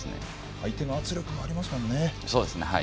相手の圧力もありますね。